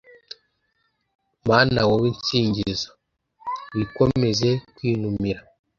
mana wowe nsingiza, wikomeza kwinumira